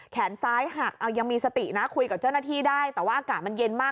แขนซ้ายหักเอายังมีสตินะคุยกับเจ้าหน้าที่ได้แต่ว่าอากาศมันเย็นมาก